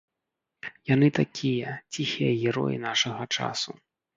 Яны такія, ціхія героі нашага часу.